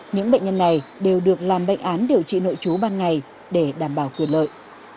những bệnh nhân này đều được làm bệnh án điều trị nội chú ban ngày để đảm bảo quyền lợi